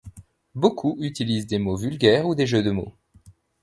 Beaucoup utilisent des mots vulgaires ou des jeux de mots.